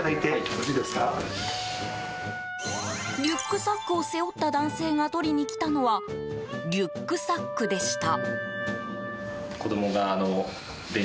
リュックサックを背負った男性が取りにきたのはリュックサックでした。